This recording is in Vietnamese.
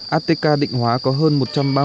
ateca định hóa có hơi nhiều thông tin